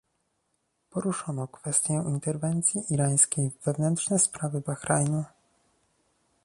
Poruszono kwestię interwencji irańskiej w wewnętrzne sprawy Bahrajnu